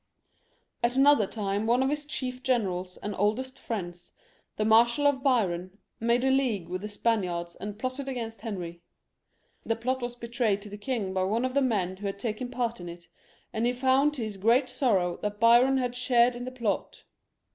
At another time one of his chief generals and oldest friends, the Marshal of Biron, made a league with the Spaniards and plotted against Henry. The plot was be trayed to the king by one of the men who had taken part in it, and he found to his great sorrow that Biron had shared in the plot.